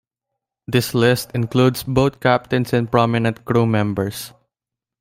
This list includes both captains and prominent crew members.